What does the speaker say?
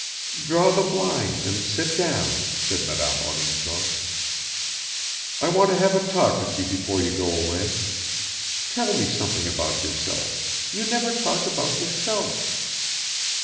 "Draw the blind and sit down," said Madame Odintsov. "I want to have a talk with you before you go away. Tell me something about yourself; you never talk about yourself."